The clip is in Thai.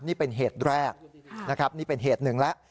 นี่เป็นเหตุแรกนะครับนี่เป็นเหตุหนึ่งแล้ว